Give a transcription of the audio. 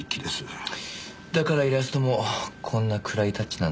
だからイラストもこんな暗いタッチなんだ。